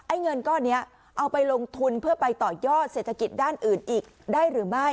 เงินก้อนนี้เอาไปลงทุนเพื่อไปต่อยอดเศรษฐกิจด้านอื่นอีกได้หรือไม่